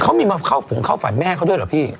เขามีมาเข้าฝังแม่เขาด้วยเหรอพี่